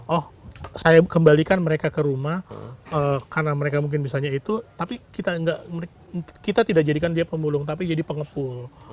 oh saya kembalikan mereka ke rumah karena mereka mungkin misalnya itu tapi kita tidak jadikan dia pemulung tapi jadi pengepul